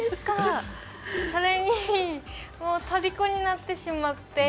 それに、とりこになってしまって。